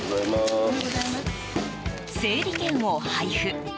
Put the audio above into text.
整理券を配布。